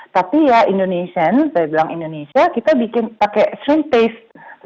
tapi ya indonesian saya bilang indonesia kita bikin pakai stream taste